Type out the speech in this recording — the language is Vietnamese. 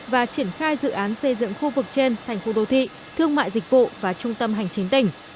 và triển khai dự án xây dựng khu vực trên thành phố đô thị thương mại dịch vụ và trung tâm hành chính tỉnh